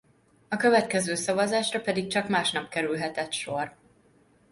A következő szavazásra pedig csak másnap kerülhetett sor.